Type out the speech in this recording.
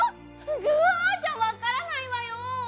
グワッじゃわからないわよ。